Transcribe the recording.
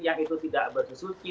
yang itu tidak bersuci